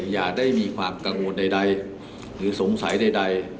อย่าได้มีความกังวลใดหรือสงสัยใด